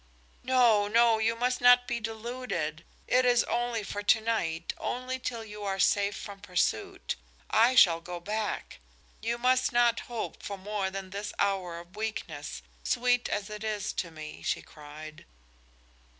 "No, no. You must not be deluded. It is only for tonight, only till you are safe from pursuit. I shall go back. You must not hope for more than this hour of weakness, sweet as it is to me," she cried.